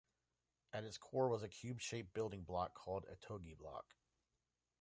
At its core was a cube-shaped building block called a "Tog'l Block".